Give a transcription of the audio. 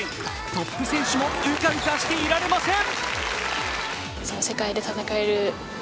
トップ選手もうかうかしていられません。